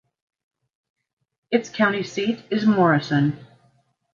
Its county seat is Morrison.